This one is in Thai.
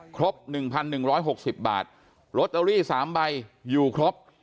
ครบหนึ่งพันหนึ่งร้อยหกสิบบาทโรตเตอรี่สามใบอยู่ครบ